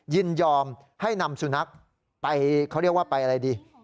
ยินยอมให้นำสุนัขไปเขาเรียกว่าไปอะไรดี